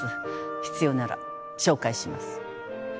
必要なら紹介します。